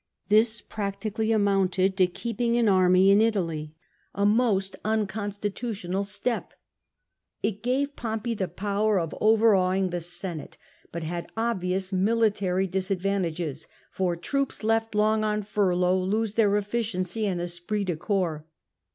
This practically amounted to keeping an army in Italy, a most unconstitutional step : it gave Pompey the power of overawing the Senate, but had obvious military dis advantages, for troops left long on furlough lose their efficiency and esprit de corps.